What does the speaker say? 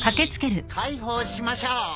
介抱しましょう！